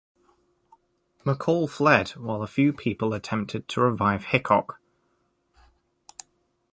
McCall fled, while a few people attempted to revive Hickok.